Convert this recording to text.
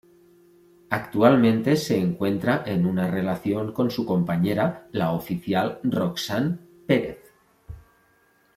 Actualmente se encuentra en una relación con su compañera la oficial Roxanne Perez.